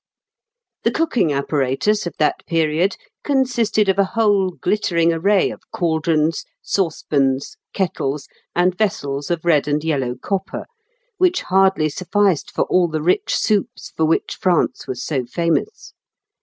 The cooking apparatus of that period consisted of a whole glittering array of cauldrons, saucepans, kettles, and vessels of red and yellow copper, which hardly sufficed for all the rich soups for which France was so famous.